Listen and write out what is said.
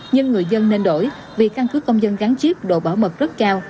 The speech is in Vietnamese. nhưng người dân nên đổi vì căn cứ công dân gắn chip độ bảo mật rất cao